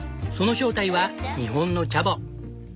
その正体は日本のチャボ。